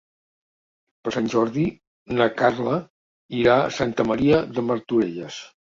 Per Sant Jordi na Carla irà a Santa Maria de Martorelles.